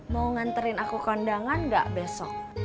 mau nganterin aku ke undangan enggak besok